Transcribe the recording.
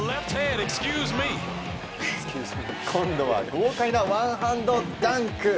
今度は豪快なワンハンドダンク。